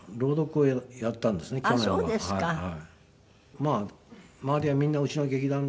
まあ周りはみんなうちの劇団の。